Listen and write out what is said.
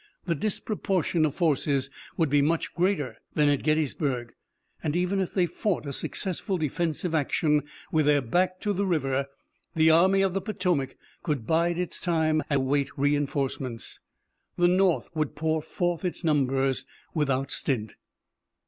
The disproportion of forces would be much greater than at Gettysburg, and even if they fought a successful defensive action with their back to the river the Army of the Potomac could bide its time and await reinforcements. The North would pour forth its numbers without stint.